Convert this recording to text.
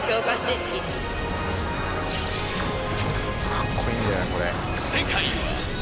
かっこいいんだよこれ。